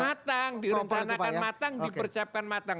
matang direncanakan matang dipercapkan matang